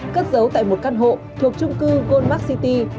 cất giấu tại một căn hộ thuộc trung cư goldmart city